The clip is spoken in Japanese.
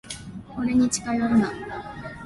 俺に近寄るな。